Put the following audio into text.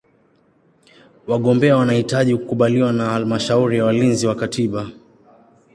Wagombea wanahitaji kukubaliwa na Halmashauri ya Walinzi wa Katiba.